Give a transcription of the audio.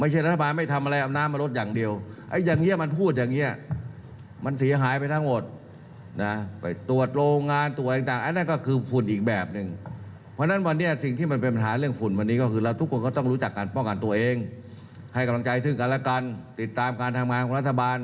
ให้กำลังใจที่คุณกันแล้วกันติดตามการทำงานของรัฐบาล